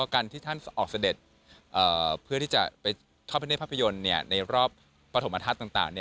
การที่ท่านออกเสด็จเพื่อที่จะไปทอดพระเนธภาพยนตร์ในรอบปฐมธาตุต่าง